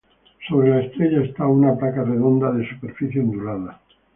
Sobre la estrella está una placa redonda de superficie ondulada.